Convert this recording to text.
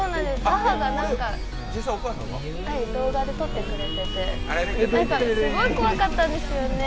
母が動画で撮ってくれててすごい怖かったんですよね。